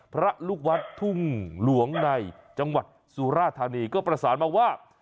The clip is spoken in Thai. พระลูกวัดทุ่งหลวงในจังหวัดสุราธานีก็ประสานมาว่า